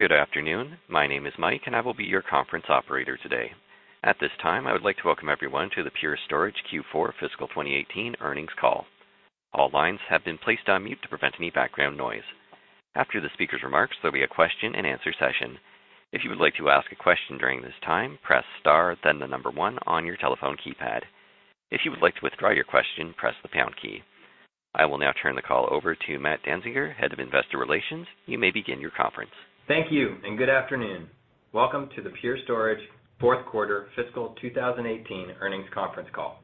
Good afternoon. My name is Mike, and I will be your conference operator today. At this time, I would like to welcome everyone to the Pure Storage Q4 Fiscal 2018 Earnings Call. All lines have been placed on mute to prevent any background noise. After the speaker's remarks, there will be a question and answer session. If you would like to ask a question during this time, press star, then the number one on your telephone keypad. If you would like to withdraw your question, press the pound key. I will now turn the call over to Matt Danziger, Head of Investor Relations. You may begin your conference. Thank you. Good afternoon. Welcome to the Pure Storage Fourth Quarter Fiscal 2018 Earnings Conference Call.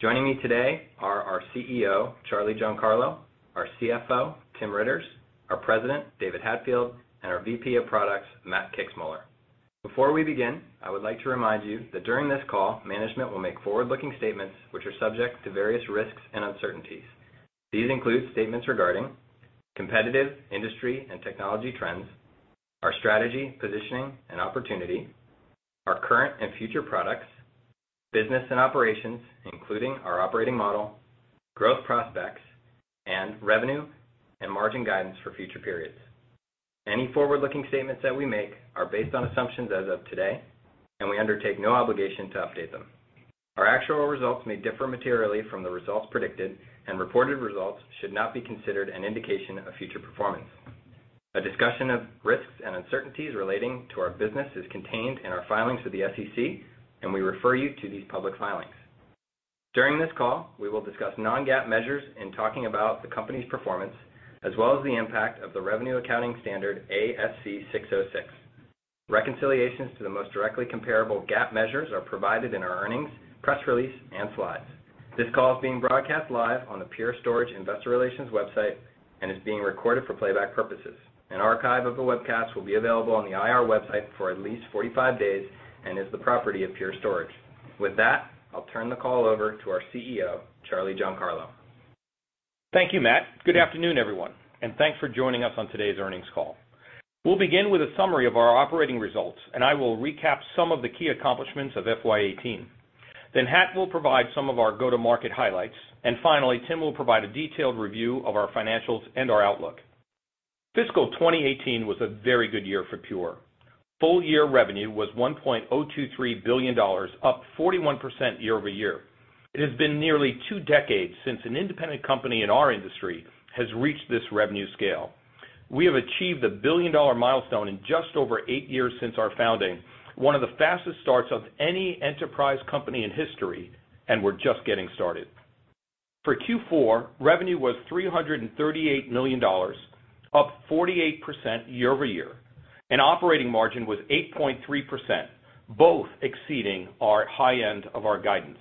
Joining me today are our CEO, Charlie Giancarlo, our CFO, Tim Riitters, our President, David Hatfield, and our VP of Products, Matt Kixmoeller. Before we begin, I would like to remind you that during this call, management will make forward-looking statements which are subject to various risks and uncertainties. These include statements regarding competitive industry and technology trends, our strategy, positioning, and opportunity, our current and future products, business and operations, including our operating model, growth prospects, and revenue and margin guidance for future periods. Any forward-looking statements that we make are based on assumptions as of today. We undertake no obligation to update them. Our actual results may differ materially from the results predicted. Reported results should not be considered an indication of future performance. A discussion of risks and uncertainties relating to our business is contained in our filings with the SEC. We refer you to these public filings. During this call, we will discuss non-GAAP measures in talking about the company's performance, as well as the impact of the revenue accounting standard ASC 606. Reconciliations to the most directly comparable GAAP measures are provided in our earnings, press release, and slides. This call is being broadcast live on the Pure Storage Investor Relations website and is being recorded for playback purposes. An archive of the webcast will be available on the IR website for at least 45 days and is the property of Pure Storage. With that, I'll turn the call over to our CEO, Charlie Giancarlo. Thank you, Matt. Good afternoon, everyone. Thanks for joining us on today's earnings call. We'll begin with a summary of our operating results. I will recap some of the key accomplishments of FY 2018. Hat will provide some of our go-to-market highlights. Finally, Tim will provide a detailed review of our financials and our outlook. Fiscal 2018 was a very good year for Pure. Full-year revenue was $1.023 billion, up 41% year-over-year. It has been nearly two decades since an independent company in our industry has reached this revenue scale. We have achieved a billion-dollar milestone in just over eight years since our founding, one of the fastest starts of any enterprise company in history. We're just getting started. For Q4, revenue was $338 million, up 48% year-over-year. Operating margin was 8.3%, both exceeding our high end of our guidance.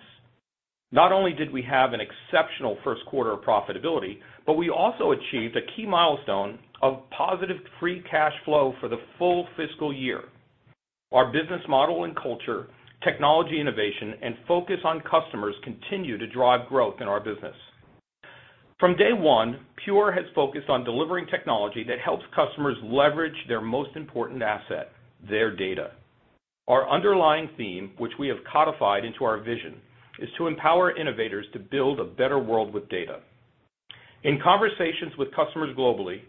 Not only did we have an exceptional first quarter of profitability, but we also achieved a key milestone of positive free cash flow for the full fiscal year. Our business model and culture, technology innovation, and focus on customers continue to drive growth in our business. From day one, Pure has focused on delivering technology that helps customers leverage their most important asset, their data. Our underlying theme, which we have codified into our vision, is to empower innovators to build a better world with data. In conversations with customers globally,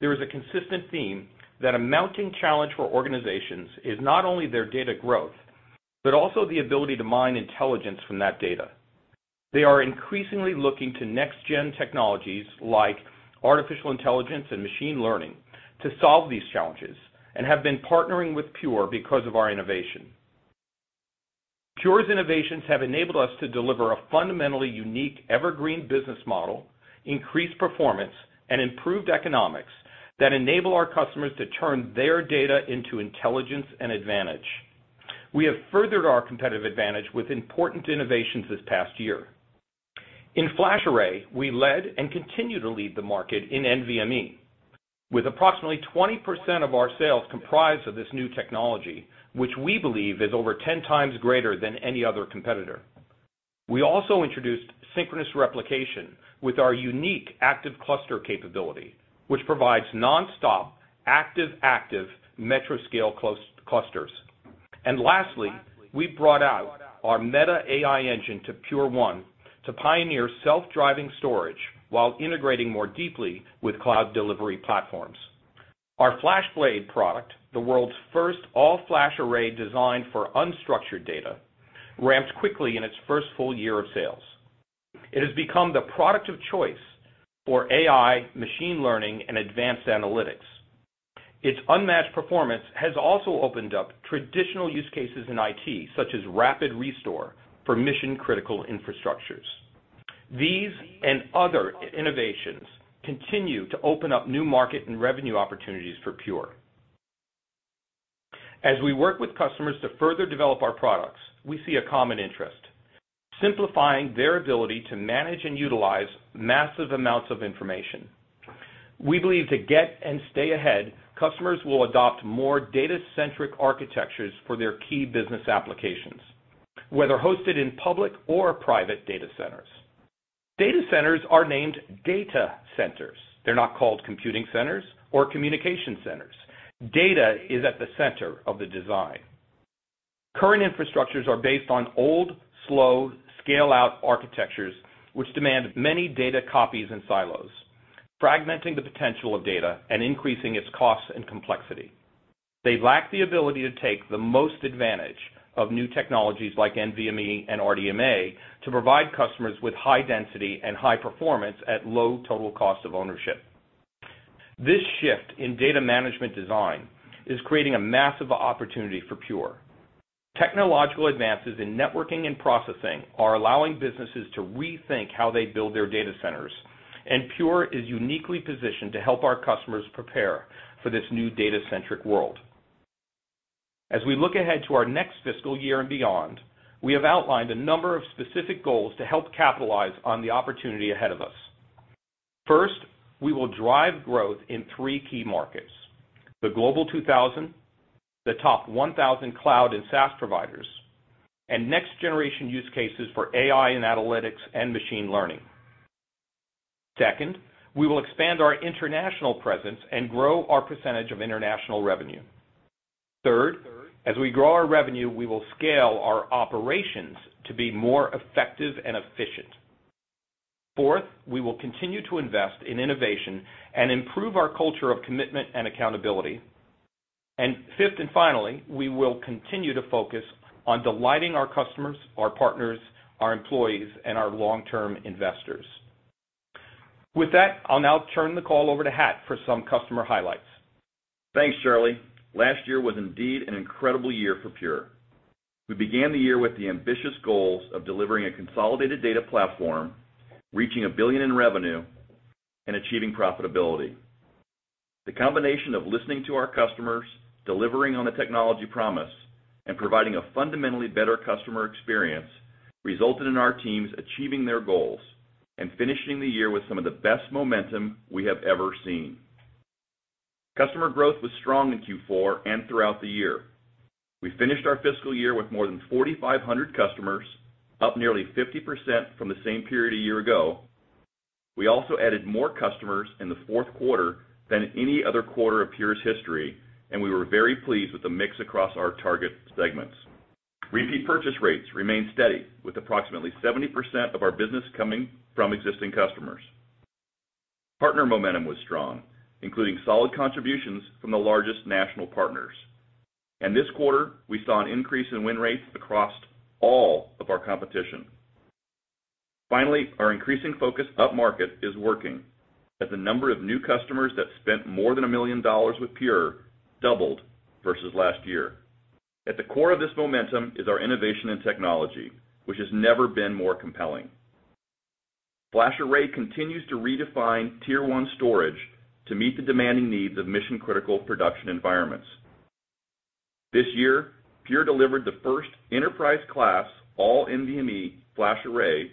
there is a consistent theme that a mounting challenge for organizations is not only their data growth, but also the ability to mine intelligence from that data. They are increasingly looking to next-gen technologies like artificial intelligence and machine learning to solve these challenges and have been partnering with Pure because of our innovation. Pure's innovations have enabled us to deliver a fundamentally unique evergreen business model, increased performance, and improved economics that enable our customers to turn their data into intelligence and advantage. We have furthered our competitive advantage with important innovations this past year. In FlashArray, we led and continue to lead the market in NVMe with approximately 20% of our sales comprised of this new technology, which we believe is over 10 times greater than any other competitor. We also introduced synchronous replication with our unique ActiveCluster capability, which provides nonstop active-active metro scale clusters. Lastly, we brought out our META AI engine to Pure1 to pioneer self-driving storage while integrating more deeply with cloud delivery platforms. Our FlashBlade product, the world's first all-flash array designed for unstructured data, ramped quickly in its first full year of sales. It has become the product of choice for AI, machine learning, and advanced analytics. Its unmatched performance has also opened up traditional use cases in IT, such as rapid restore for mission-critical infrastructures. These and other innovations continue to open up new market and revenue opportunities for Pure. As we work with customers to further develop our products, we see a common interest: simplifying their ability to manage and utilize massive amounts of information. We believe to get and stay ahead, customers will adopt more data-centric architectures for their key business applications, whether hosted in public or private data centers. Data centers are named data centers. They're not called computing centers or communication centers. Data is at the center of the design. Current infrastructures are based on old, slow, scale-out architectures, which demand many data copies and silos, fragmenting the potential of data and increasing its costs and complexity. They lack the ability to take the most advantage of new technologies like NVMe and RDMA to provide customers with high density and high performance at low total cost of ownership. This shift in data management design is creating a massive opportunity for Pure. Technological advances in networking and processing are allowing businesses to rethink how they build their data centers, and Pure is uniquely positioned to help our customers prepare for this new data-centric world. As we look ahead to our next fiscal year and beyond, we have outlined a number of specific goals to help capitalize on the opportunity ahead of us. First, we will drive growth in three key markets, the Global 2000, the top 1,000 cloud and SaaS providers, and next-generation use cases for AI and analytics and machine learning. Second, we will expand our international presence and grow our percentage of international revenue. Third, as we grow our revenue, we will scale our operations to be more effective and efficient. Fourth, we will continue to invest in innovation and improve our culture of commitment and accountability. Fifth and finally, we will continue to focus on delighting our customers, our partners, our employees, and our long-term investors. With that, I'll now turn the call over to Hat for some customer highlights. Thanks, Charlie. Last year was indeed an incredible year for Pure. We began the year with the ambitious goals of delivering a consolidated data platform, reaching $1 billion in revenue, and achieving profitability. The combination of listening to our customers, delivering on the technology promise, and providing a fundamentally better customer experience resulted in our teams achieving their goals and finishing the year with some of the best momentum we have ever seen. Customer growth was strong in Q4 and throughout the year. We finished our fiscal year with more than 4,500 customers, up nearly 50% from the same period a year ago. We also added more customers in the fourth quarter than any other quarter of Pure's history, and we were very pleased with the mix across our target segments. Repeat purchase rates remained steady, with approximately 70% of our business coming from existing customers. Partner momentum was strong, including solid contributions from the largest national partners. This quarter, we saw an increase in win rates across all of our competition. Finally, our increasing focus up-market is working, as the number of new customers that spent more than $1 million with Pure doubled versus last year. At the core of this momentum is our innovation and technology, which has never been more compelling. FlashArray continues to redefine Tier 1 storage to meet the demanding needs of mission-critical production environments. This year, Pure delivered the first enterprise-class all-NVMe FlashArray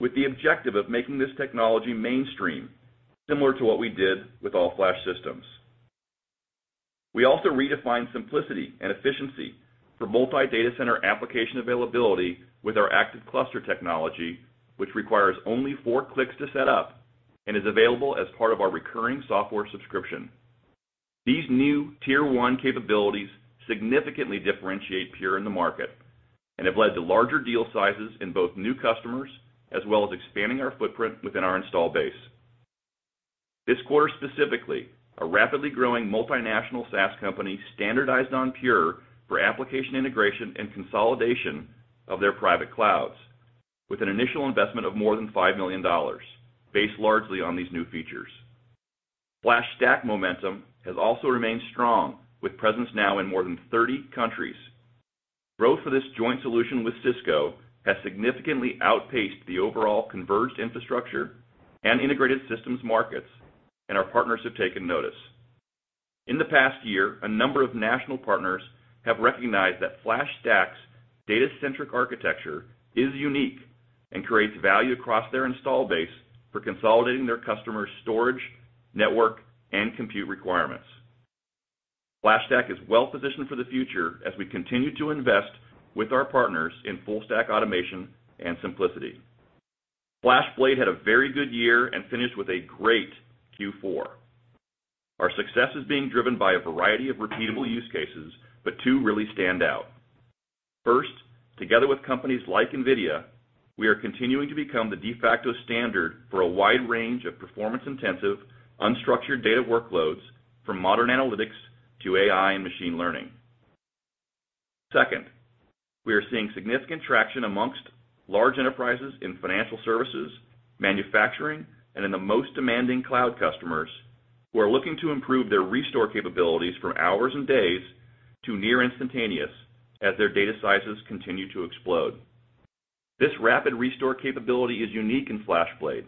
with the objective of making this technology mainstream, similar to what we did with all-flash systems. We also redefined simplicity and efficiency for multi-data center application availability with our ActiveCluster technology, which requires only four clicks to set up and is available as part of our recurring software subscription. These new Tier 1 capabilities significantly differentiate Pure in the market and have led to larger deal sizes in both new customers, as well as expanding our footprint within our install base. This quarter specifically, a rapidly growing multinational SaaS company standardized on Pure for application integration and consolidation of their private clouds with an initial investment of more than $5 million, based largely on these new features. FlashStack momentum has also remained strong, with presence now in more than 30 countries. Growth for this joint solution with Cisco has significantly outpaced the overall converged infrastructure and integrated systems markets, and our partners have taken notice. In the past year, a number of national partners have recognized that FlashStack's data-centric architecture is unique and creates value across their install base for consolidating their customers' storage, network, and compute requirements. FlashStack is well-positioned for the future as we continue to invest with our partners in full-stack automation and simplicity. FlashBlade had a very good year and finished with a great Q4. Our success is being driven by a variety of repeatable use cases. Two really stand out. First, together with companies like NVIDIA, we are continuing to become the de facto standard for a wide range of performance-intensive, unstructured data workloads, from modern analytics to AI and machine learning. Second, we are seeing significant traction amongst large enterprises in financial services, manufacturing, and in the most demanding cloud customers who are looking to improve their restore capabilities from hours and days to near instantaneous as their data sizes continue to explode. This rapid restore capability is unique in FlashBlade,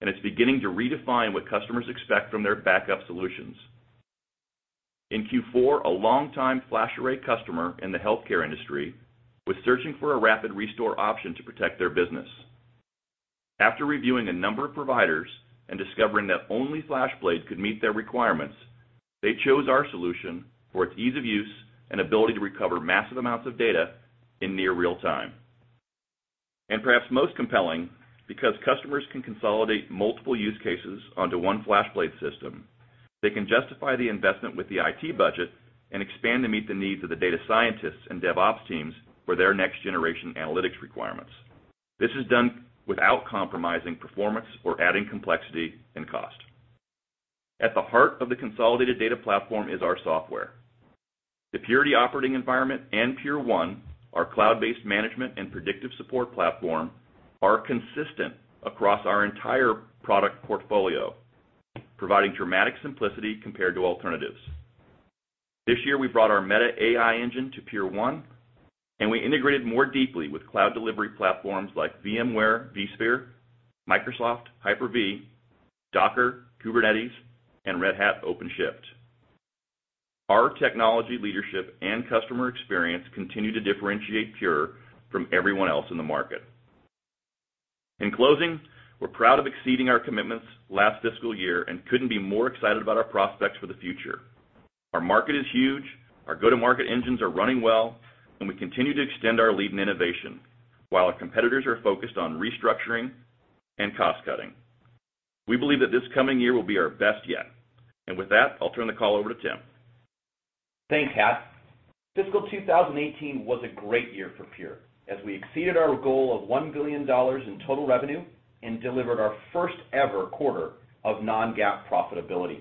and it's beginning to redefine what customers expect from their backup solutions. In Q4, a longtime FlashArray customer in the healthcare industry was searching for a rapid restore option to protect their business. After reviewing a number of providers and discovering that only FlashBlade could meet their requirements, they chose our solution for its ease of use and ability to recover massive amounts of data in near real-time. Perhaps most compelling, because customers can consolidate multiple use cases onto one FlashBlade system, they can justify the investment with the IT budget and expand to meet the needs of the data scientists and DevOps teams for their next-generation analytics requirements. This is done without compromising performance or adding complexity and cost. At the heart of the consolidated data platform is our software. The Purity operating environment and Pure1, our cloud-based management and predictive support platform, are consistent across our entire product portfolio, providing dramatic simplicity compared to alternatives. This year, we brought our META AI engine to Pure1, and we integrated more deeply with cloud delivery platforms like VMware vSphere, Microsoft Hyper-V, Docker, Kubernetes, and Red Hat OpenShift. Our technology leadership and customer experience continue to differentiate Pure from everyone else in the market. In closing, we're proud of exceeding our commitments last fiscal year and couldn't be more excited about our prospects for the future. Our market is huge. Our go-to-market engines are running well, and we continue to extend our lead in innovation, while our competitors are focused on restructuring and cost-cutting. We believe that this coming year will be our best yet. With that, I'll turn the call over to Tim. Thanks, Hat. Fiscal 2018 was a great year for Pure, as we exceeded our goal of $1 billion in total revenue and delivered our first ever quarter of non-GAAP profitability.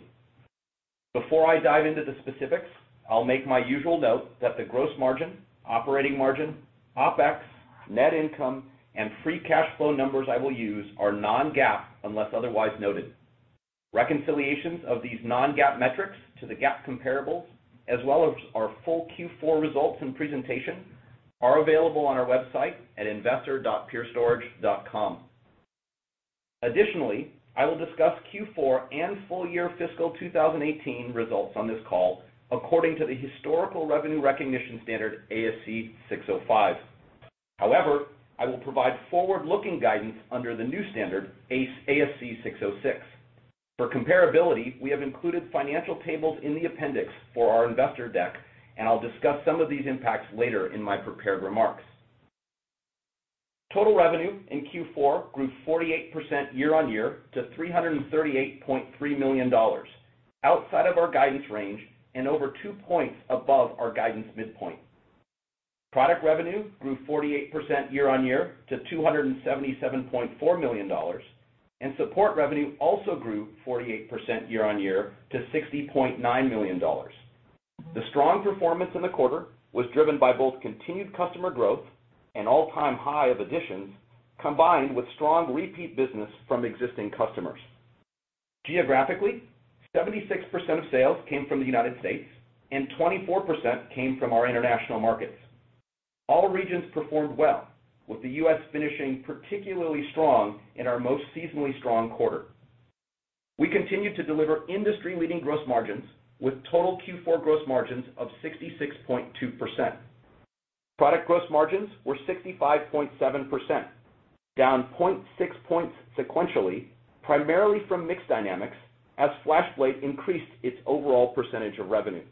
Before I dive into the specifics, I'll make my usual note that the gross margin, operating margin, OpEx, net income, and free cash flow numbers I will use are non-GAAP unless otherwise noted. Reconciliations of these non-GAAP metrics to the GAAP comparables, as well as our full Q4 results and presentation, are available on our website at investor.purestorage.com. I will discuss Q4 and full year fiscal 2018 results on this call according to the historical revenue recognition standard, ASC 605. I will provide forward-looking guidance under the new standard, ASC 606. For comparability, we have included financial tables in the appendix for our investor deck, and I'll discuss some of these impacts later in my prepared remarks. Total revenue in Q4 grew 48% year-on-year to $338.3 million, outside of our guidance range and over two points above our guidance midpoint. Product revenue grew 48% year-on-year to $277.4 million, and support revenue also grew 48% year-on-year to $60.9 million. The strong performance in the quarter was driven by both continued customer growth and all-time high of additions, combined with strong repeat business from existing customers. Geographically, 76% of sales came from the U.S., and 24% came from our international markets. All regions performed well, with the U.S. finishing particularly strong in our most seasonally strong quarter. We continued to deliver industry-leading gross margins with total Q4 gross margins of 66.2%. Product gross margins were 65.7%, down 0.6 points sequentially, primarily from mix dynamics as FlashBlade increased its overall percentage of revenue.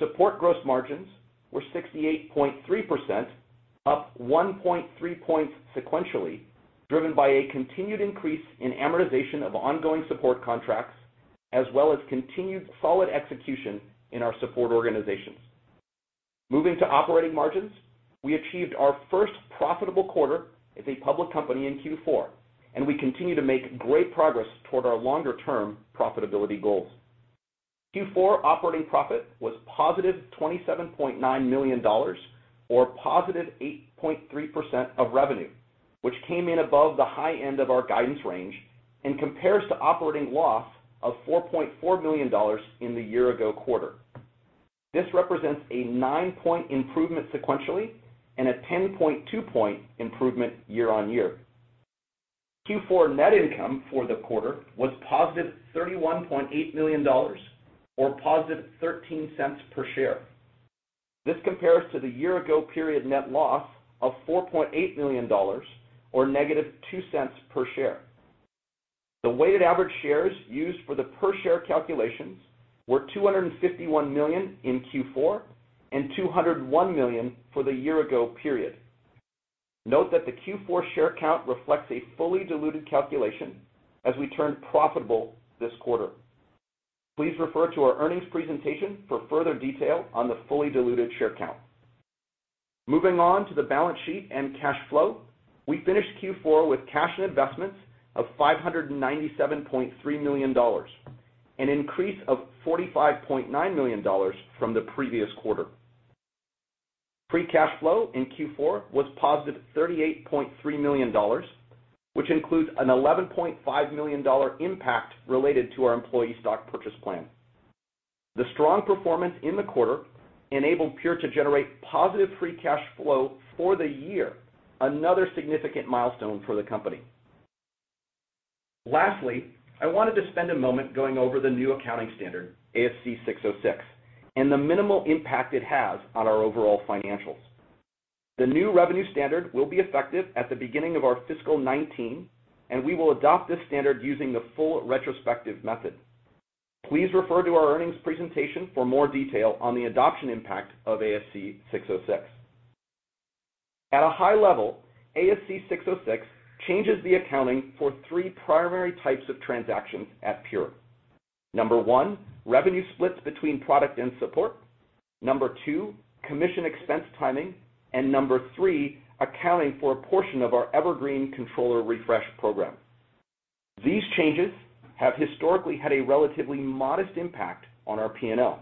Support gross margins were 68.3%, up 1.3 points sequentially, driven by a continued increase in amortization of ongoing support contracts, as well as continued solid execution in our support organizations. Moving to operating margins, we achieved our first profitable quarter as a public company in Q4, and we continue to make great progress toward our longer-term profitability goals. Q4 operating profit was positive $27.9 million or positive 8.3% of revenue, which came in above the high end of our guidance range and compares to operating loss of $4.4 million in the year-ago quarter. This represents a nine-point improvement sequentially and a 10.2-point improvement year-on-year. Q4 net income for the quarter was positive $31.8 million or positive $0.13 per share. This compares to the year-ago period net loss of $4.8 million or negative $0.02 per share. The weighted average shares used for the per share calculations were 251 million in Q4 and 201 million for the year-ago period. Note that the Q4 share count reflects a fully diluted calculation as we turned profitable this quarter. Please refer to our earnings presentation for further detail on the fully diluted share count. Moving on to the balance sheet and cash flow, we finished Q4 with cash and investments of $597.3 million, an increase of $45.9 million from the previous quarter. Free cash flow in Q4 was positive $38.3 million, which includes an $11.5 million impact related to our employee stock purchase plan. The strong performance in the quarter enabled Pure to generate positive free cash flow for the year, another significant milestone for the company. Lastly, I wanted to spend a moment going over the new accounting standard, ASC 606, and the minimal impact it has on our overall financials. The new revenue standard will be effective at the beginning of our fiscal 2019, we will adopt this standard using the full retrospective method. Please refer to our earnings presentation for more detail on the adoption impact of ASC 606. At a high level, ASC 606 changes the accounting for three primary types of transactions at Pure. Number one, revenue splits between product and support. Number two, commission expense timing. Number three, accounting for a portion of our Evergreen Controller Refresh program. These changes have historically had a relatively modest impact on our P&L,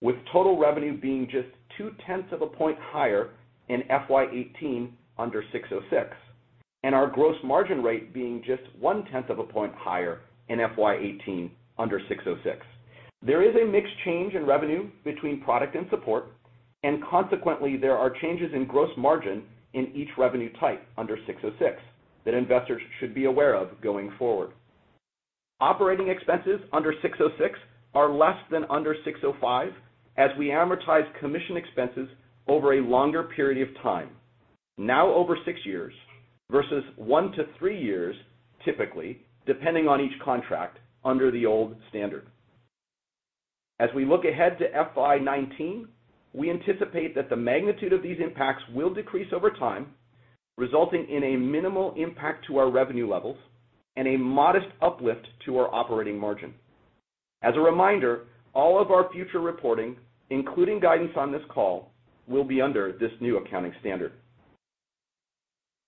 with total revenue being just two-tenths of a point higher in FY 2018 under 606, and our gross margin rate being just one-tenth of a point higher in FY 2018 under 606. There is a mixed change in revenue between product and support, and consequently, there are changes in gross margin in each revenue type under 606 that investors should be aware of going forward. Operating expenses under 606 are less than under 605, as we amortize commission expenses over a longer period of time, now over six years, versus one to three years typically, depending on each contract under the old standard. As we look ahead to FY 2019, we anticipate that the magnitude of these impacts will decrease over time, resulting in a minimal impact to our revenue levels and a modest uplift to our operating margin. As a reminder, all of our future reporting, including guidance on this call, will be under this new accounting standard.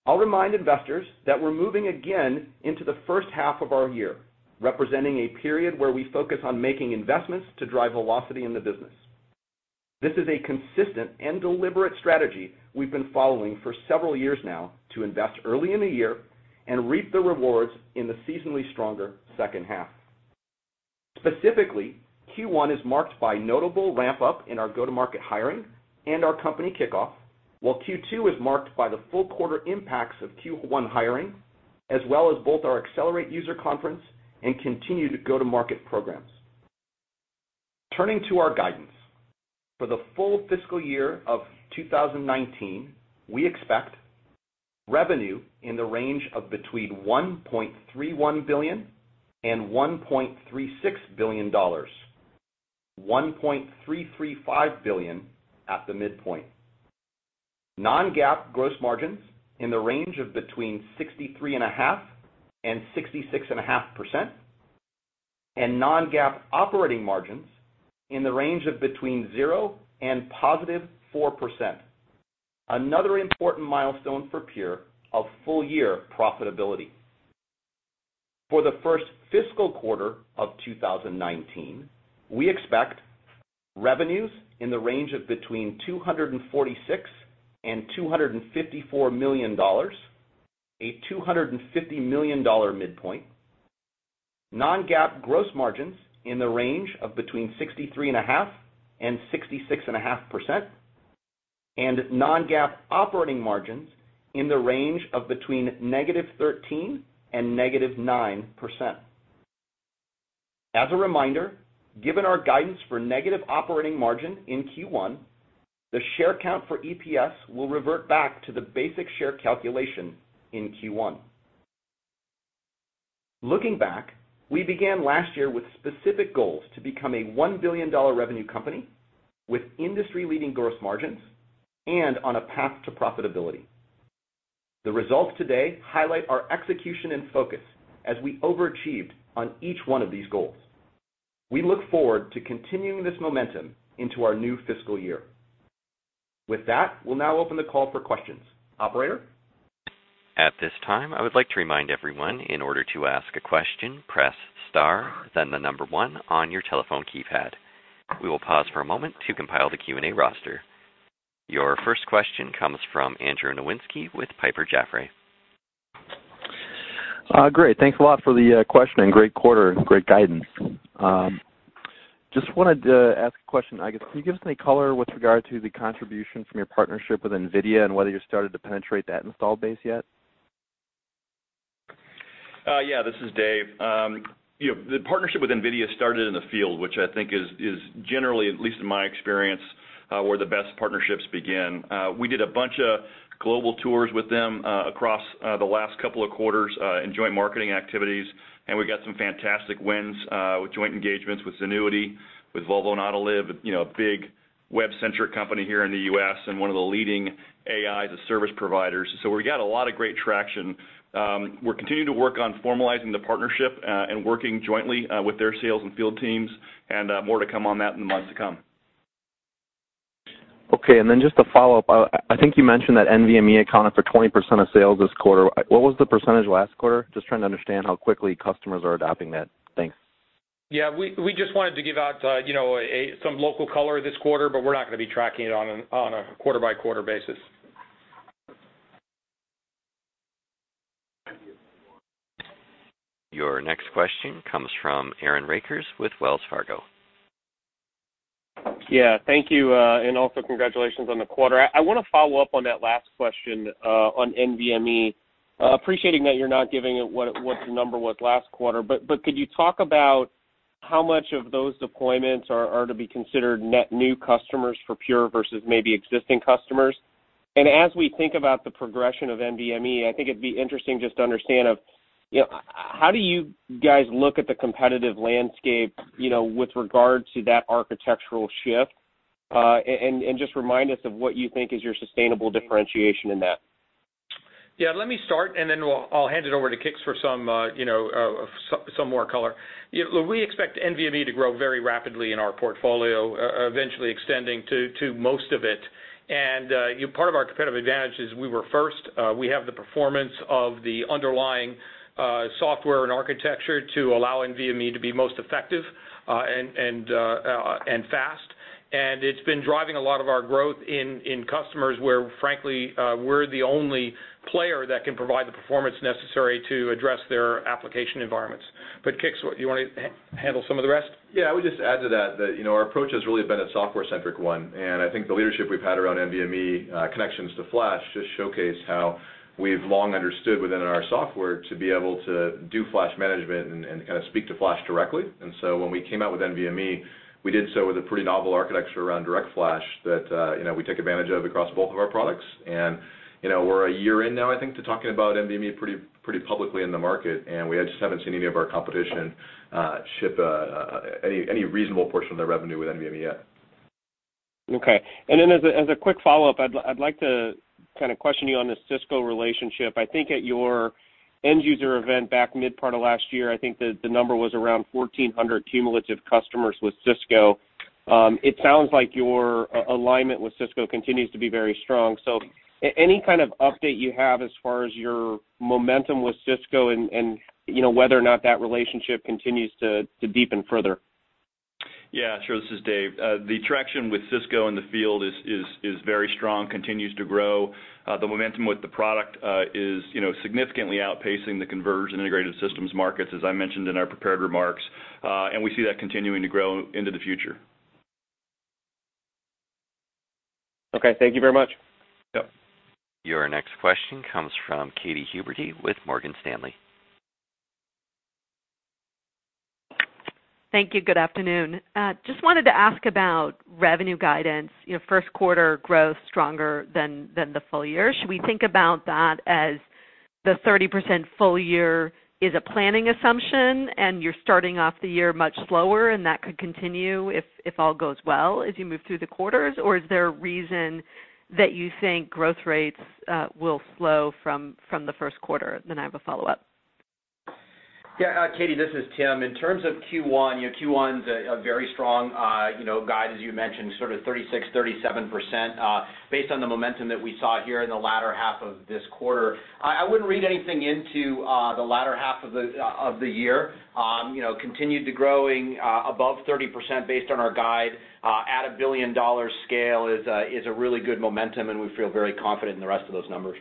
I'll remind investors that we're moving again into the first half of our year, representing a period where we focus on making investments to drive velocity in the business. This is a consistent and deliberate strategy we've been following for several years now to invest early in the year and reap the rewards in the seasonally stronger second half. Specifically, Q1 is marked by notable ramp-up in our go-to-market hiring and our company kickoff, while Q2 is marked by the full quarter impacts of Q1 hiring, as well as both our Accelerate user conference and continued go-to-market programs. Turning to our guidance. For the full fiscal year of 2019, we expect revenue in the range of between $1.31 billion and $1.36 billion, $1.335 billion at the midpoint. Non-GAAP gross margins in the range of between 63.5% and 66.5%, and non-GAAP operating margins in the range of between zero and positive 4%, another important milestone for Pure of full-year profitability. For the first fiscal quarter of 2019, we expect revenues in the range of between $246 million and $254 million, a $250 million midpoint, non-GAAP gross margins in the range of between 63.5% and 66.5%, and non-GAAP operating margins in the range of between negative 13% and negative 9%. As a reminder, given our guidance for negative operating margin in Q1, the share count for EPS will revert back to the basic share calculation in Q1. Looking back, we began last year with specific goals to become a $1 billion revenue company with industry-leading gross margins and on a path to profitability. The results today highlight our execution and focus as we overachieved on each one of these goals. We look forward to continuing this momentum into our new fiscal year. With that, we'll now open the call for questions. Operator? At this time, I would like to remind everyone, in order to ask a question, press star, then the number 1 on your telephone keypad. We will pause for a moment to compile the Q&A roster. Your first question comes from Andrew Nowinski with Piper Jaffray. Great. Thanks a lot for the question. Great quarter, great guidance. Just wanted to ask a question. Can you give us any color with regard to the contribution from your partnership with NVIDIA and whether you started to penetrate that installed base yet? Yeah. This is Dave. The partnership with NVIDIA started in the field, which I think is generally, at least in my experience, where the best partnerships begin. We did a bunch of global tours with them across the last couple of quarters in joint marketing activities. We got some fantastic wins with joint engagements with Zenuity, with Volvo and Autoliv, a big web-centric company here in the U.S. and one of the leading AI as a service providers. We got a lot of great traction. We're continuing to work on formalizing the partnership and working jointly with their sales and field teams. More to come on that in the months to come. Okay. Then just to follow up, I think you mentioned that NVMe accounted for 20% of sales this quarter. What was the percentage last quarter? Just trying to understand how quickly customers are adopting that. Thanks. We just wanted to give out some local color this quarter, but we're not going to be tracking it on a quarter-by-quarter basis. Your next question comes from Aaron Rakers with Wells Fargo. Thank you, and also congratulations on the quarter. I want to follow up on that last question on NVMe. Appreciating that you're not giving what the number was last quarter, could you talk about how much of those deployments are to be considered net new customers for Pure versus maybe existing customers? As we think about the progression of NVMe, I think it'd be interesting just to understand how do you guys look at the competitive landscape with regard to that architectural shift? Just remind us of what you think is your sustainable differentiation in that. Let me start, then I'll hand it over to Kix for some more color. We expect NVMe to grow very rapidly in our portfolio, eventually extending to most of it. Part of our competitive advantage is we were first. We have the performance of the underlying software and architecture to allow NVMe to be most effective and fast. It's been driving a lot of our growth in customers where, frankly, we're the only player that can provide the performance necessary to address their application environments. Kix, do you want to handle some of the rest? Yeah, I would just add to that our approach has really been a software-centric one. I think the leadership we've had around NVMe connections to flash just showcase how we've long understood within our software to be able to do flash management and speak to flash directly. So when we came out with NVMe, we did so with a pretty novel architecture around DirectFlash that we take advantage of across both of our products. We're a year in now, I think, to talking about NVMe pretty publicly in the market. We just haven't seen any of our competition ship any reasonable portion of their revenue with NVMe yet. Okay. Then as a quick follow-up, I'd like to question you on the Cisco relationship. I think at your end-user event back mid part of last year, I think the number was around 1,400 cumulative customers with Cisco. It sounds like your alignment with Cisco continues to be very strong. Any kind of update you have as far as your momentum with Cisco and whether or not that relationship continues to deepen further? Yeah, sure. This is Dave. The traction with Cisco in the field is very strong, continues to grow. The momentum with the product is significantly outpacing the converged and integrated systems markets, as I mentioned in our prepared remarks. We see that continuing to grow into the future. Okay. Thank you very much. Yep. Your next question comes from Katy Huberty with Morgan Stanley. Thank you. Good afternoon. Just wanted to ask about revenue guidance. First quarter growth stronger than the full year. Should we think about that as the 30% full year is a planning assumption and you're starting off the year much slower, and that could continue if all goes well as you move through the quarters? Is there a reason that you think growth rates will slow from the first quarter? I have a follow-up. Katy, this is Tim. In terms of Q1's a very strong guide, as you mentioned, sort of 36%, 37%, based on the momentum that we saw here in the latter half of this quarter. I wouldn't read anything into the latter half of the year. Continued to growing above 30% based on our guide at a billion-dollar scale is a really good momentum, and we feel very confident in the rest of those numbers.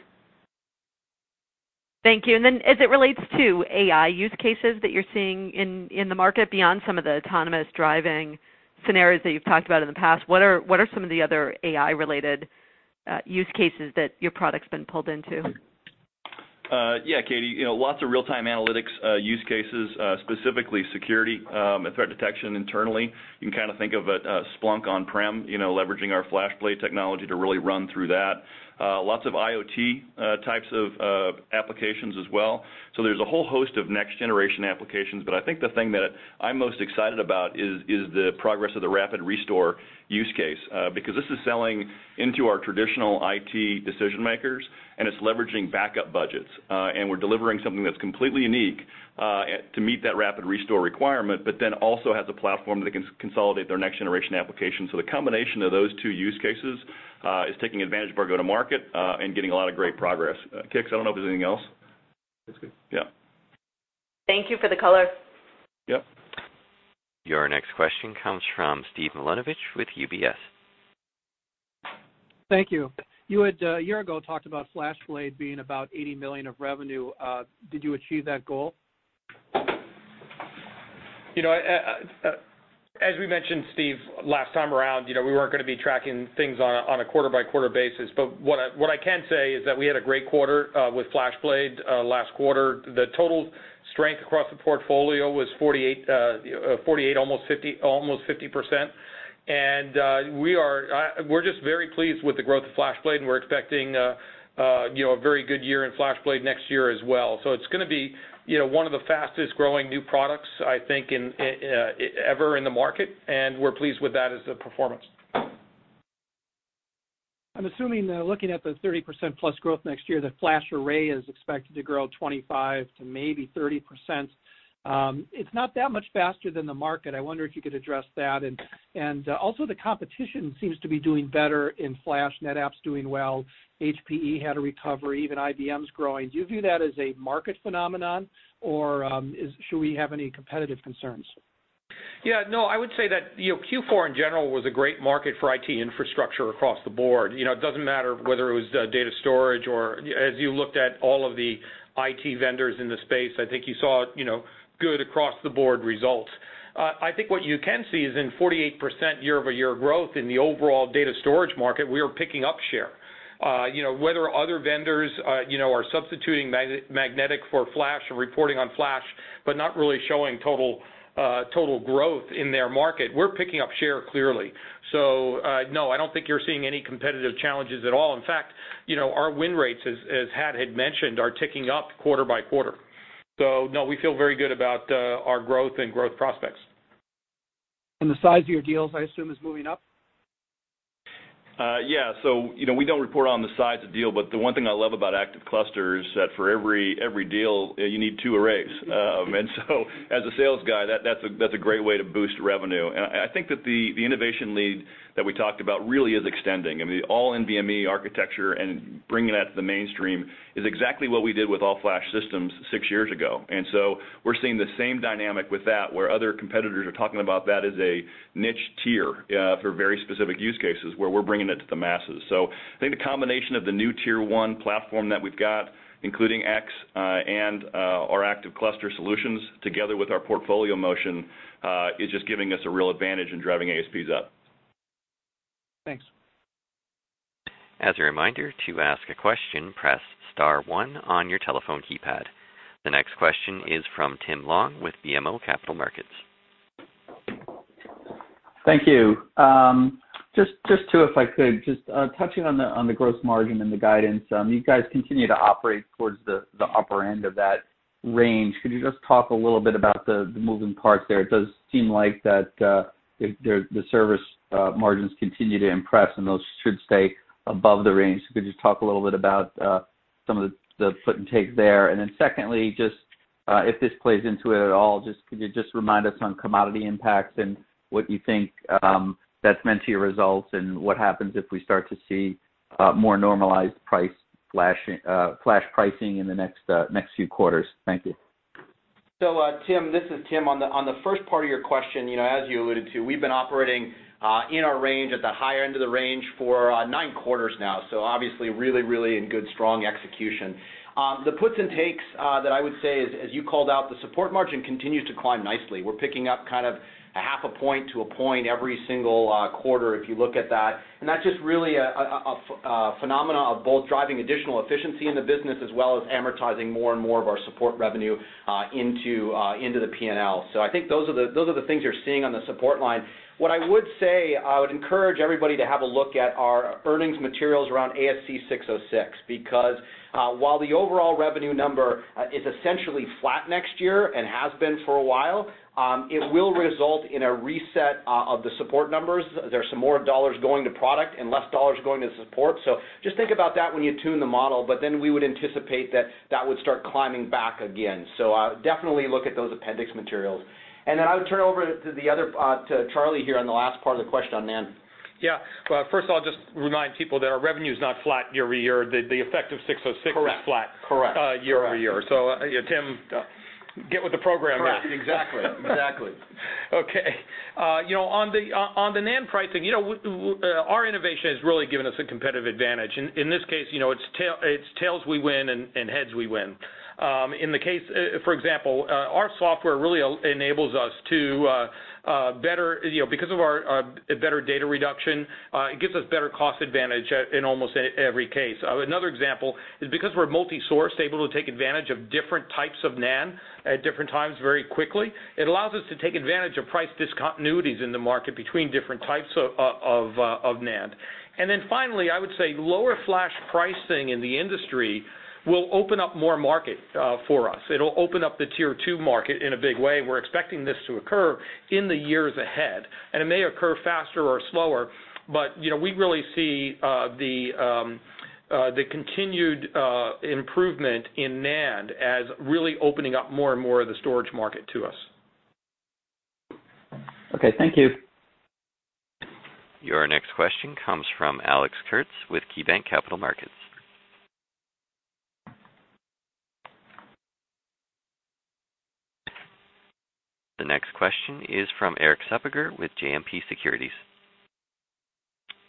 Thank you. As it relates to AI use cases that you're seeing in the market beyond some of the autonomous driving scenarios that you've talked about in the past, what are some of the other AI-related use cases that your product's been pulled into? Katy, lots of real-time analytics use cases, specifically security and threat detection internally. You can think of it as Splunk on-prem, leveraging our FlashBlade technology to really run through that. Lots of IoT types of applications as well. There's a whole host of next-generation applications. I think the thing that I'm most excited about is the progress of the rapid restore use case. This is selling into our traditional IT decision-makers, and it's leveraging backup budgets. We're delivering something that's completely unique to meet that rapid restore requirement, also has a platform that can consolidate their next-generation application. The combination of those two use cases is taking advantage of our go-to-market and getting a lot of great progress. Kix, I don't know if there's anything else. That's good. Yeah. Thank you for the color. Yep. Your next question comes from Steve Milunovich with UBS. Thank you. You had, a year ago, talked about FlashBlade being about $80 million of revenue. Did you achieve that goal? As we mentioned, Steve, last time around, we weren't going to be tracking things on a quarter-by-quarter basis. What I can say is that we had a great quarter with FlashBlade last quarter. The total strength across the portfolio was 48%, almost 50%. We're just very pleased with the growth of FlashBlade, and we're expecting a very good year in FlashBlade next year as well. It's going to be one of the fastest-growing new products, I think, ever in the market, and we're pleased with that as a performance. I'm assuming, looking at the 30%+ growth next year, that FlashArray is expected to grow 25%-30%. It's not that much faster than the market. I wonder if you could address that. Also, the competition seems to be doing better in Flash. NetApp's doing well. HPE had a recovery. Even IBM's growing. Do you view that as a market phenomenon, or should we have any competitive concerns? Yeah, no, I would say that Q4 in general was a great market for IT infrastructure across the board. It doesn't matter whether it was data storage or as you looked at all of the IT vendors in the space, I think you saw good across the board results. I think what you can see is in 48% year-over-year growth in the overall data storage market, we are picking up share. Whether other vendors are substituting magnetic for Flash or reporting on Flash, but not really showing total growth in their market, we're picking up share clearly. No, I don't think you're seeing any competitive challenges at all. In fact, our win rates, as Hat had mentioned, are ticking up quarter by quarter. no, we feel very good about our growth and growth prospects. The size of your deals, I assume is moving up? Yeah. We don't report on the size of deal, the one thing I love about ActiveCluster is that for every deal, you need two arrays. As a sales guy, that's a great way to boost revenue. I think that the innovation lead that we talked about really is extending. I mean, all NVMe architecture and bringing that to the mainstream is exactly what we did with all-flash systems six years ago. We're seeing the same dynamic with that, where other competitors are talking about that as a niche Tier for very specific use cases, where we're bringing it to the masses. I think the combination of the new Tier 1 platform that we've got, including X and our ActiveCluster solutions together with our portfolio motion, is just giving us a real advantage in driving ASPs up. Thanks. As a reminder, to ask a question, press star one on your telephone keypad. The next question is from Tim Long with BMO Capital Markets. Thank you. If I could, just touching on the gross margin and the guidance, you guys continue to operate towards the upper end of that range. Could you just talk a little bit about the moving parts there? It does seem like that the service margins continue to impress, and those should stay above the range. Could you talk a little bit about some of the puts and takes there? Secondly, just if this plays into it at all, could you just remind us on commodity impacts and what you think that's meant to your results, and what happens if we start to see more normalized price flash pricing in the next few quarters? Thank you. Tim, this is Tim. On the first part of your question, as you alluded to, we've been operating in our range at the higher end of the range for nine quarters now. Obviously really in good, strong execution. The puts and takes that I would say is, as you called out, the support margin continues to climb nicely. We're picking up a half a point to a point every single quarter if you look at that. That's just really a phenomena of both driving additional efficiency in the business, as well as amortizing more and more of our support revenue into the P&L. I think those are the things you're seeing on the support line. What I would say, I would encourage everybody to have a look at our earnings materials around ASC 606, because while the overall revenue number is essentially flat next year and has been for a while, it will result in a reset of the support numbers. There's some more dollars going to product and less dollars going to support. Just think about that when you tune the model, we would anticipate that that would start climbing back again. Definitely look at those appendix materials. I would turn it over to Charlie here on the last part of the question on NAND. Yeah. First of all, just remind people that our revenue's not flat year-over-year. The effect of 606. Correct is flat year-over-year. Tim, get with the program. Correct. Exactly. Okay. On the NAND pricing, our innovation has really given us a competitive advantage. In this case, it's tails we win and heads we win. For example, our software really enables us to better, because of our better data reduction, it gives us better cost advantage in almost every case. Another example is because we're multi-source, able to take advantage of different types of NAND at different times very quickly, it allows us to take advantage of price discontinuities in the market between different types of NAND. Finally, I would say lower flash pricing in the industry will open up more market for us. It'll open up the Tier 2 market in a big way. We're expecting this to occur in the years ahead, and it may occur faster or slower, but we really see the continued improvement in NAND as really opening up more and more of the storage market to us. Okay. Thank you. Your next question comes from Alex Kurtz with KeyBanc Capital Markets. The next question is from Erik Suppiger with JMP Securities.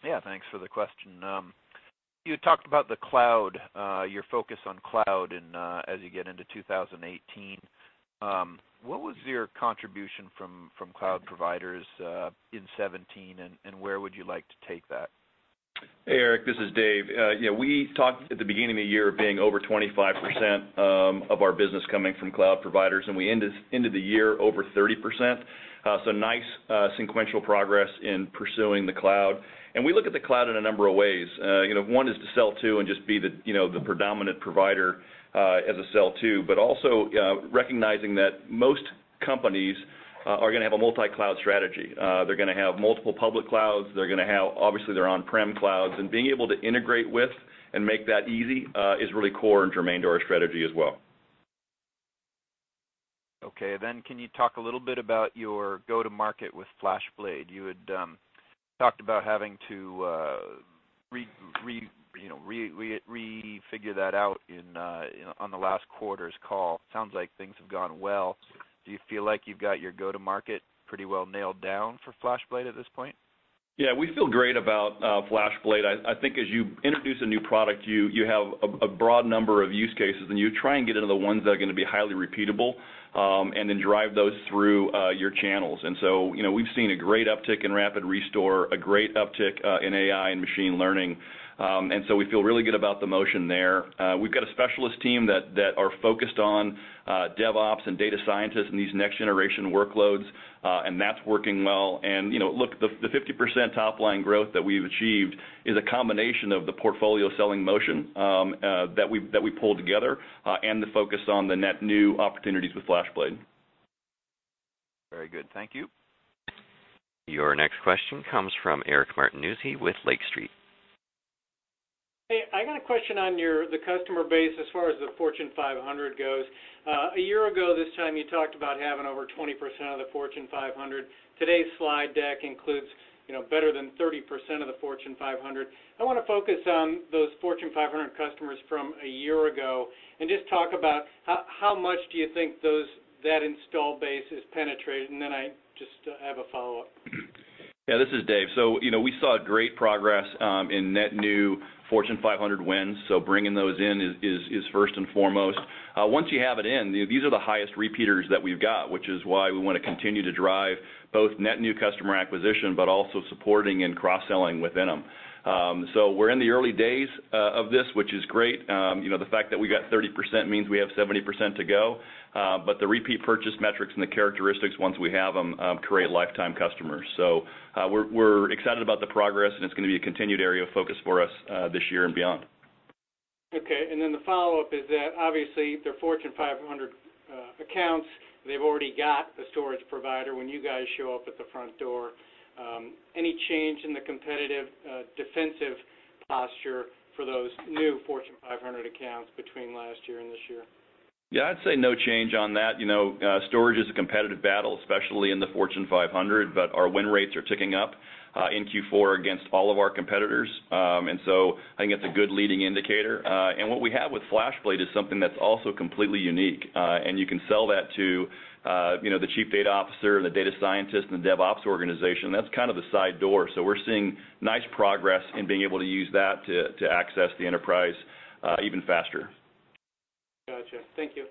Yeah, thanks for the question. You had talked about the cloud, your focus on cloud. As you get into 2018, what was your contribution from cloud providers in 2017? Where would you like to take that? Hey, Erik, this is Dave. We talked at the beginning of the year being over 25% of our business coming from cloud providers, and we ended the year over 30%. Nice sequential progress in pursuing the cloud. We look at the cloud in a number of ways. One is to sell to and just be the predominant provider as a sell to, also recognizing that most companies are going to have a multi-cloud strategy. They're going to have multiple public clouds. They're going to have, obviously, their on-prem clouds. Being able to integrate with and make that easy is really core and germane to our strategy as well. Okay. Can you talk a little bit about your go to market with FlashBlade? You had talked about having to refigure that out on the last quarter's call. It sounds like things have gone well. Do you feel like you've got your go to market pretty well nailed down for FlashBlade at this point? Yeah, we feel great about FlashBlade. I think as you introduce a new product, you have a broad number of use cases, you try and get into the ones that are going to be highly repeatable, drive those through your channels. We've seen a great uptick in rapid restore, a great uptick in AI and machine learning. We feel really good about the motion there. We've got a specialist team that are focused on DevOps and data scientists and these next generation workloads, that's working well. Look, the 50% top-line growth that we've achieved is a combination of the portfolio selling motion that we pulled together, and the focus on the net new opportunities with FlashBlade. Very good. Thank you. Your next question comes from Eric Martinuzzi with Lake Street. I got a question on the customer base as far as the Fortune 500 goes. A year ago this time, you talked about having over 20% of the Fortune 500. Today's slide deck includes better than 30% of the Fortune 500. I want to focus on those Fortune 500 customers from a year ago and just talk about how much do you think that installed base has penetrated? Then I just have a follow-up. This is Dave. We saw great progress in net new Fortune 500 wins. Bringing those in is first and foremost. Once you have it in, these are the highest repeaters that we've got, which is why we want to continue to drive both net new customer acquisition, but also supporting and cross-selling within them. We're in the early days of this, which is great. The fact that we got 30% means we have 70% to go. The repeat purchase metrics and the characteristics, once we have them, create lifetime customers. We're excited about the progress, and it's going to be a continued area of focus for us this year and beyond. Okay. Then the follow-up is that obviously they're Fortune 500 accounts. They've already got a storage provider when you guys show up at the front door. Any change in the competitive defensive posture for those new Fortune 500 accounts between last year and this year? I'd say no change on that. Storage is a competitive battle, especially in the Fortune 500. Our win rates are ticking up in Q4 against all of our competitors. I think that's a good leading indicator. What we have with FlashBlade is something that's also completely unique. You can sell that to the chief data officer and the data scientist and the DevOps organization. That's kind of the side door. We're seeing nice progress in being able to use that to access the enterprise even faster. Gotcha. Thank you.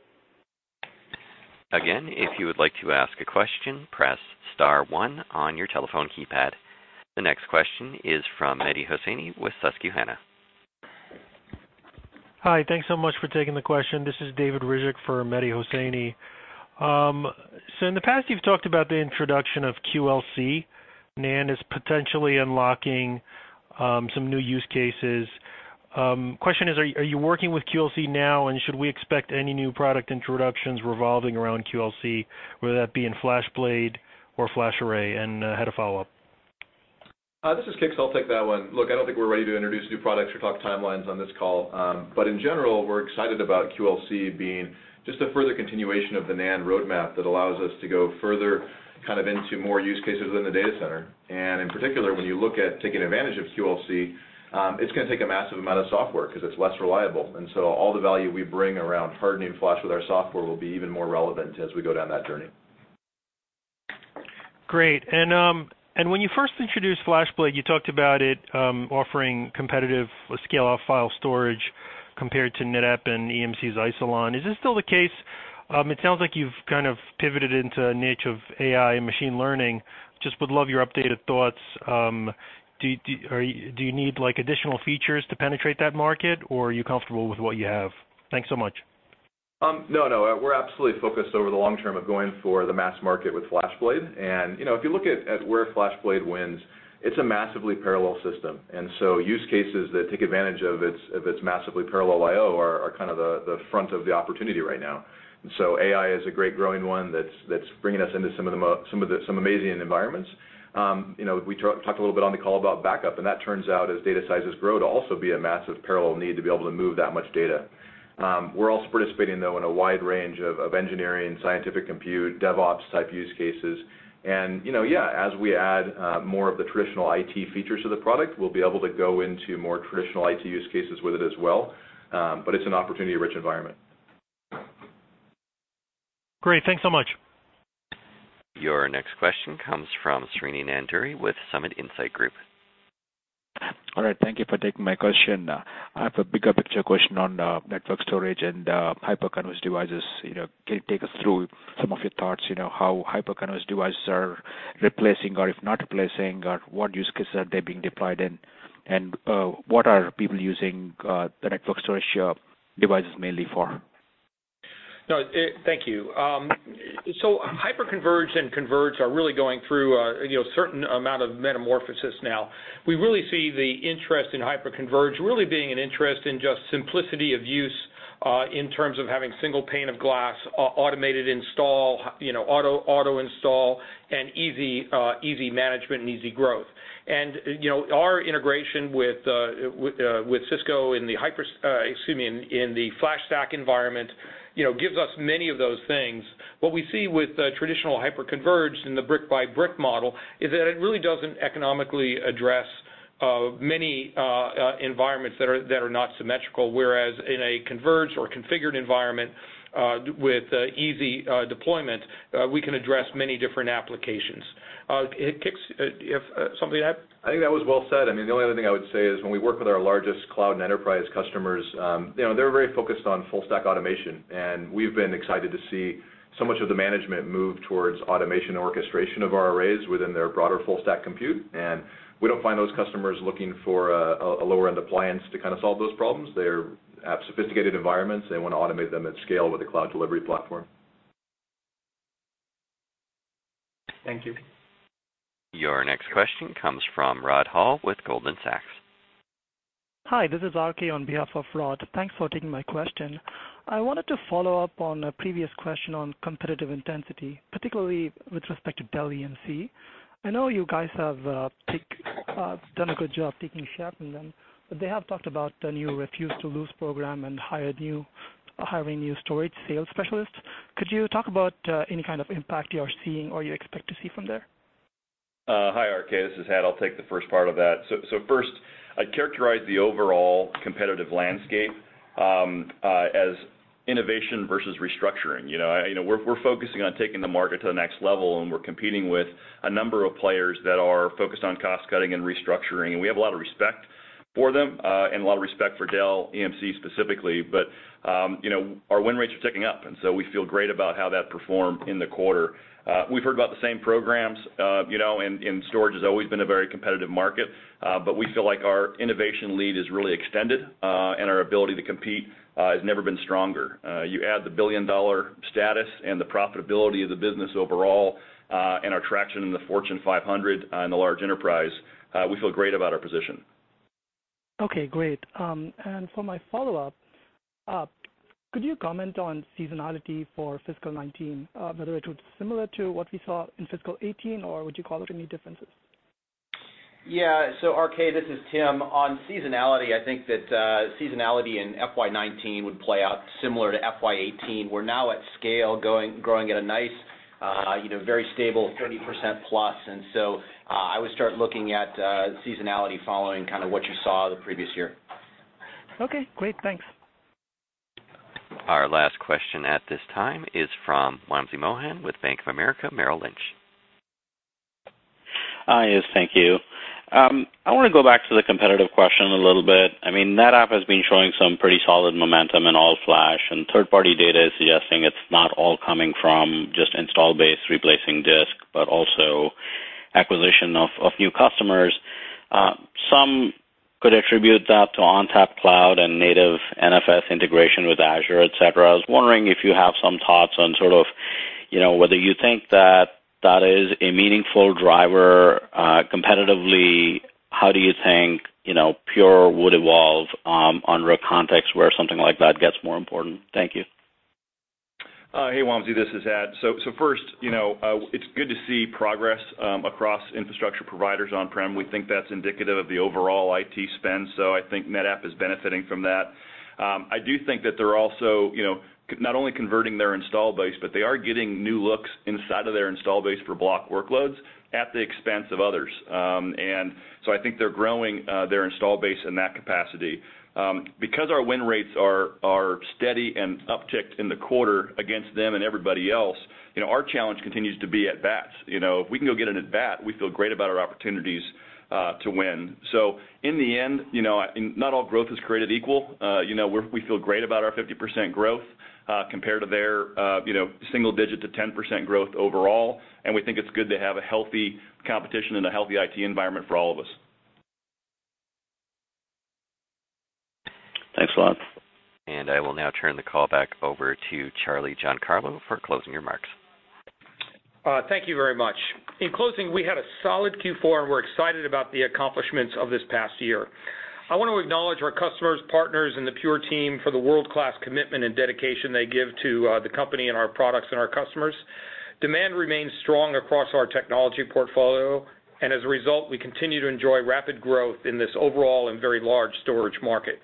Again, if you would like to ask a question, press star one on your telephone keypad. The next question is from Mehdi Hosseini with Susquehanna. Hi. Thanks so much for taking the question. This is David Ryzhik for Mehdi Hosseini. In the past, you've talked about the introduction of QLC, NAND is potentially unlocking some new use cases. Question is, are you working with QLC now? Should we expect any new product introductions revolving around QLC, whether that be in FlashBlade or FlashArray? I had a follow-up. This is Kix. I'll take that one. Look, I don't think we're ready to introduce new products or talk timelines on this call. In general, we're excited about QLC being just a further continuation of the NAND roadmap that allows us to go further into more use cases within the data center. In particular, when you look at taking advantage of QLC, it's going to take a massive amount of software because it's less reliable. All the value we bring around hardening flash with our software will be even more relevant as we go down that journey. Great. When you first introduced FlashBlade, you talked about it offering competitive scale-out file storage compared to NetApp and EMC's Isilon. Is this still the case? It sounds like you've kind of pivoted into a niche of AI and machine learning. Just would love your updated thoughts. Do you need additional features to penetrate that market, or are you comfortable with what you have? Thanks so much. No, we're absolutely focused over the long term of going for the mass market with FlashBlade. If you look at where FlashBlade wins, it's a massively parallel system. Use cases that take advantage of its massively parallel IO are the front of the opportunity right now. AI is a great growing one that's bringing us into some amazing environments. We talked a little bit on the call about backup, that turns out as data sizes grow to also be a massive parallel need to be able to move that much data. We're also participating, though, in a wide range of engineering, scientific compute, DevOps type use cases. Yeah, as we add more of the traditional IT features to the product, we'll be able to go into more traditional IT use cases with it as well. It's an opportunity-rich environment. Great. Thanks so much. Your next question comes from Srini Nandury with Summit Insights Group. All right. Thank you for taking my question. I have a bigger picture question on network storage and hyperconverged devices. Can you take us through some of your thoughts, how hyperconverged devices are replacing, or if not replacing, or what use cases are they being deployed in? What are people using the network storage devices mainly for? Thank you. Hyperconverged and converged are really going through a certain amount of metamorphosis now. We really see the interest in hyperconverged really being an interest in just simplicity of use in terms of having single pane of glass, automated install, auto-install, and easy management and easy growth. Our integration with Cisco in the FlashStack environment gives us many of those things. What we see with traditional hyperconverged in the brick-by-brick model is that it really doesn't economically address many environments that are not symmetrical, whereas in a converged or configured environment with easy deployment, we can address many different applications. Kix, you have something to add? I think that was well said. The only other thing I would say is when we work with our largest cloud and enterprise customers, they're very focused on full stack automation. We've been excited to see so much of the management move towards automation orchestration of our arrays within their broader full stack compute. We don't find those customers looking for a lower-end appliance to solve those problems. They have sophisticated environments. They want to automate them at scale with a cloud delivery platform. Thank you. Your next question comes from Rod Hall with Goldman Sachs. Hi, this is RK on behalf of Rod. Thanks for taking my question. I wanted to follow up on a previous question on competitive intensity, particularly with respect to Dell EMC. I know you guys have done a good job taking share from them, they have talked about the new Refuse to Lose program and hiring new storage sales specialists. Could you talk about any kind of impact you are seeing or you expect to see from there? Hi, RK. This is Dave. I'll take the first part of that. First, I'd characterize the overall competitive landscape as innovation versus restructuring. We're focusing on taking the market to the next level, we're competing with a number of players that are focused on cost-cutting and restructuring. We have a lot of respect for them, a lot of respect for Dell EMC specifically. Our win rates are ticking up, we feel great about how that performed in the quarter. We've heard about the same programs, storage has always been a very competitive market. We feel like our innovation lead is really extended, our ability to compete has never been stronger. You add the billion-dollar status and the profitability of the business overall, our traction in the Fortune 500 and the large enterprise, we feel great about our position. Okay, great. For my follow-up, could you comment on seasonality for fiscal 2019, whether it was similar to what we saw in fiscal 2018, or would you call it any differences? Yeah. RK, this is Tim. On seasonality, I think that seasonality in FY 2019 would play out similar to FY 2018. We're now at scale, growing at a nice, very stable 30%+. I would start looking at seasonality following what you saw the previous year. Okay, great. Thanks. Our last question at this time is from Wamsi Mohan with Bank of America Merrill Lynch. Hi, yes, thank you. I want to go back to the competitive question a little bit. I mean, NetApp has been showing some pretty solid momentum in all-flash, and third-party data is suggesting it's not all coming from just install base replacing disk, but also acquisition of new customers. Some could attribute that to ONTAP Cloud and native NFS integration with Azure, et cetera. I was wondering if you have some thoughts on whether you think that that is a meaningful driver competitively. How do you think Pure would evolve on a context where something like that gets more important? Thank you. Hey, Wamsi, this is Ed. First, it's good to see progress across infrastructure providers on-prem. We think that's indicative of the overall IT spend, I think NetApp is benefiting from that. I do think that they're also not only converting their install base, but they are getting new looks inside of their install base for block workloads at the expense of others. I think they're growing their install base in that capacity. Because our win rates are steady and upticked in the quarter against them and everybody else, our challenge continues to be at bats. If we can go get an at bat, we feel great about our opportunities to win. In the end, not all growth is created equal. We feel great about our 50% growth compared to their single digit to 10% growth overall, we think it's good to have a healthy competition and a healthy IT environment for all of us. Thanks a lot. I will now turn the call back over to Charlie Giancarlo for closing remarks. Thank you very much. In closing, we had a solid Q4, and we're excited about the accomplishments of this past year. I want to acknowledge our customers, partners, and the Pure team for the world-class commitment and dedication they give to the company and our products and our customers. Demand remains strong across our technology portfolio. As a result, we continue to enjoy rapid growth in this overall and very large storage market.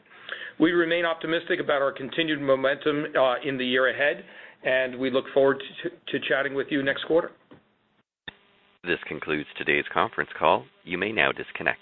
We remain optimistic about our continued momentum in the year ahead, and we look forward to chatting with you next quarter. This concludes today's conference call. You may now disconnect.